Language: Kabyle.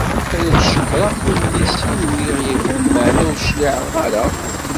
Mi ara d-cekreɣ tullisin uriɣ yakan, meεna ur cliɛeɣ ara.